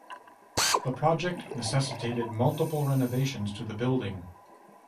The project necessitated multiple renovations to the building.